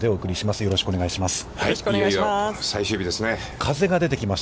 よろしくお願いします。